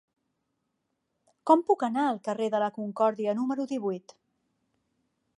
Com puc anar al carrer de la Concòrdia número divuit?